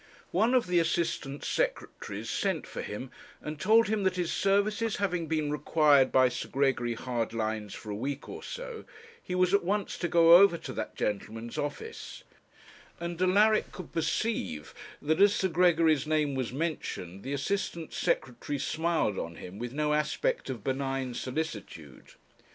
One of the Assistant Secretaries sent for him, and told him that his services having been required by Sir Gregory Hardlines for a week or so, he was at once to go over to that gentleman's office; and Alaric could perceive that, as Sir Gregory's name was mentioned, the Assistant Secretary smiled on him with no aspect of benign solicitude.